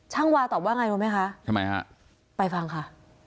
ช่างวาตอบว่าไงรู้ไหมคะไปฟังค่ะ